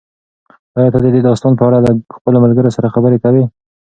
ایا ته د دې داستان په اړه له خپلو ملګرو سره خبرې کوې؟